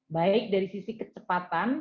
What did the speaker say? baik dari sisi kecepatan